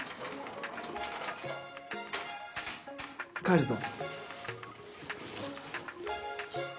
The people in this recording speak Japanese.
帰るぞ。